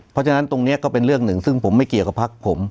เพราะฉะนั้นตรงนี้ก็เป็นเรื่องหนึ่งซึ่งผมไม่เกี่ยวกับพักผม